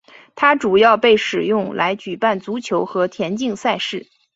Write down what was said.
它主要被使用来举办足球和田径赛事。